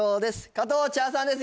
加藤茶さんです